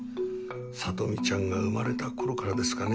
里美ちゃんが生まれた頃からですかね。